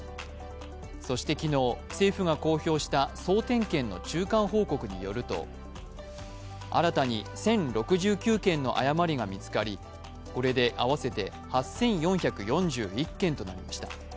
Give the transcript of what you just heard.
そして昨日、政府が公表した総点検の中間報告によると、新たに１０６９件の誤りが見つかり、これで合わせて８４４１件となりました。